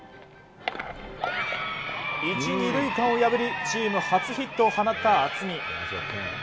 １、２塁間を破りチーム初ヒットを放った渥美。